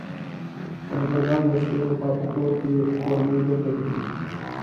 شاګردان د شپې لخوا په کور کې کورنۍ دنده ليکئ